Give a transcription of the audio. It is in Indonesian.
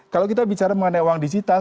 kalau kita bicara mengenai uang digital